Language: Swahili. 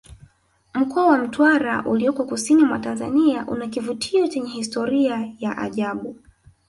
mkoa wa mtwara ulioko kusini mwa tanzania una kivutio chenye historia ya ajabu